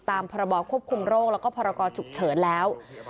พรบควบคุมโรคแล้วก็พรกรฉุกเฉินแล้ว